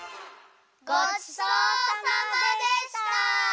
ごちそうさまでした！